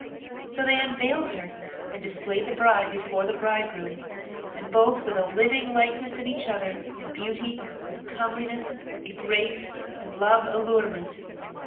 So they unveiled her and displayed the bride before the bridegroom; and both were the living likeness of each other in beauty and comeliness and grace and love allurement.